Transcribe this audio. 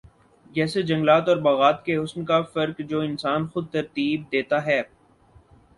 جیسے جنگلات اور باغات کے حسن کا فرق جو انسان خود ترتیب دیتا ہے